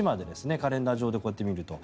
カレンダー上でこうやって見ると。